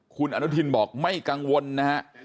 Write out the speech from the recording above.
คุณอนุทินบอกไม่กังวลนะฮะ